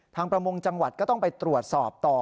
ประมงจังหวัดก็ต้องไปตรวจสอบต่อ